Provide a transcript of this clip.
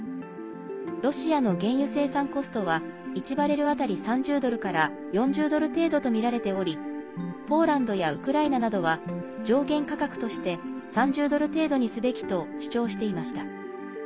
ロシアの原油生産コストは１バレル当たり３０ドルから４０ドル程度とみられておりポーランドやウクライナなどは上限価格として３０ドル程度にすべきと主張していました。